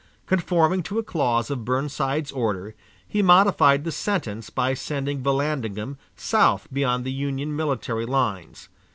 Conforming to a clause of Burnside's order, he modified the sentence by sending Vallandigham south beyond the Union military lines.